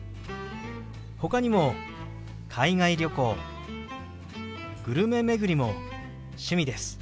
ほかにも海外旅行グルメ巡りも趣味です。